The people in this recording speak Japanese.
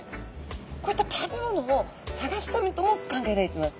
こういった食べ物を探すためとも考えられてます。